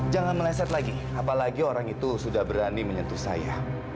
jangan meleset lagi apalagi orang itu sudah berani menyentuh saya